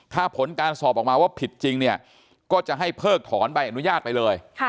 ถ้าผลการสอบออกมาว่าผิดจริงเนี่ยก็จะให้เพิกถอนใบอนุญาตไปเลย